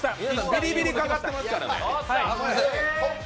ビリビリかかってますからね。